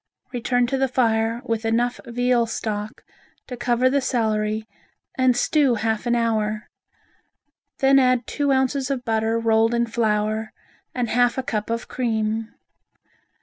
Return to the fire with enough veal stock to cover the celery and stew half an hour. Then add two ounces of butter rolled in flour, and half a cup of cream.